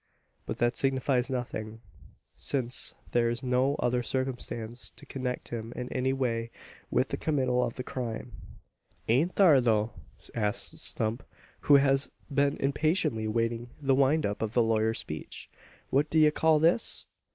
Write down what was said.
But that signifies nothing: since there is no other circumstance to connect him in any way with the committal of the crime." "Ain't thar though?" asks Stump, who has been impatiently awaiting the wind up of the lawyer's speech. "What do ye call this?"